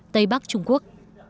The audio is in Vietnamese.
tây bắc trung quốc